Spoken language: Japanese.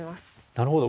なるほど。